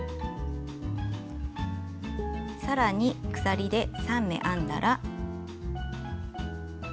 さらに鎖で３目編んだら。